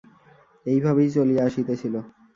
এই ভাবেই চলিয়া আসিতেছিল।